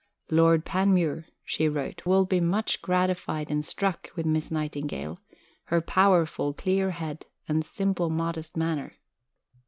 "Lord Panmure," she wrote, "will be much gratified and struck with Miss Nightingale her powerful, clear head, and simple, modest manner."